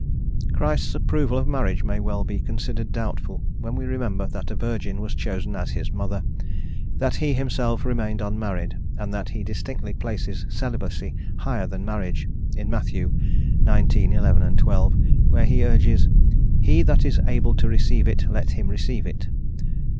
Christ's approval of marriage may well be considered doubtful when we remember that a virgin was chosen as his mother, that he himself remained unmarried, and that he distinctly places celibacy higher than marriage in Matt. xix. 11, 12, where he urges: "he that is able to receive it let him receive it."